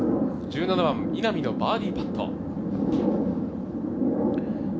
１７番稲見のバーディーパット。